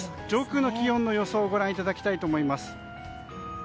上空の気温の予想をご覧いただきたいと思います。